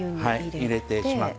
入れてしまって。